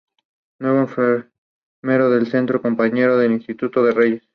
Nuevo enfermero del centro, compañero de instituto de Reyes.